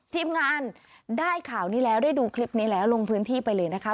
ทีมงานได้ข่าวนี้แล้วได้ดูคลิปนี้แล้วลงพื้นที่ไปเลยนะคะ